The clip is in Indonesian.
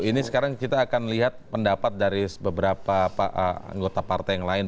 ini sekarang kita akan lihat pendapat dari beberapa anggota partai yang lain